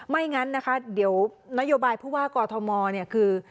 ไม่งั้นนะคะเดี๋ยวนโยบายผู้ว่ากอทมเนี่ยคือ